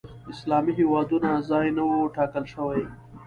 اسلامي هېوادونو ځای نه و ټاکل شوی